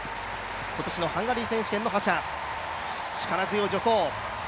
今年のハンガリー選手権覇者力強い助走。